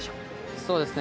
そうですね。